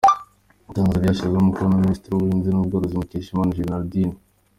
Itangazo ryashyizweho umukono na Minisitiri w’ubuhinzi n’ubworozi, Mukeshimana Gerardine.